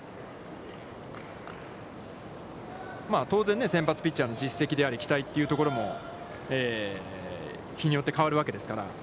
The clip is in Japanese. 当然先発ピッチャーの実績であり、期待というところも日によってかわるわけですから。